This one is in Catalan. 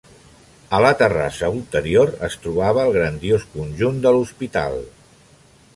A la terrassa ulterior es trobava el grandiós conjunt de l'hospital.